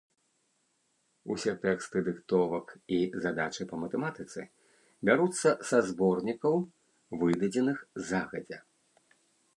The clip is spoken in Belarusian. Усе тэксты дыктовак і задачы па матэматыцы бяруцца са зборнікаў, выдадзеных загадзя.